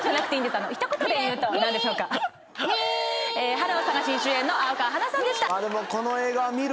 『春を探しに』主演の蒼川花さんでした。